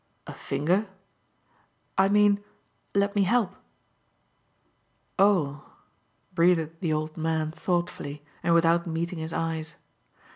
"A finger?" "I mean let me help." "Oh!" breathed the old man thoughtfully and without meeting his eyes.